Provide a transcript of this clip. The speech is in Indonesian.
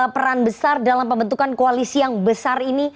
peran besar dalam pembentukan koalisi yang besar ini